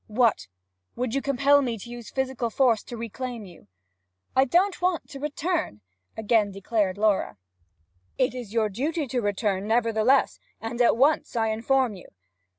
What? Would you compel me to use physical force to reclaim you?' 'I don't want to return!' again declared Laura. 'It is your duty to return nevertheless, and at once, I inform you.'